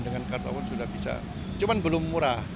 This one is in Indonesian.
dengan kartu awal sudah bisa cuman belum murah